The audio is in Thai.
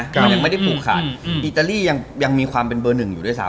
มันยังไม่ได้ผูกขาดอิตาลียังมีความเป็นเบอร์หนึ่งอยู่ด้วยซ